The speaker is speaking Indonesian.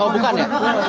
oh bukan ya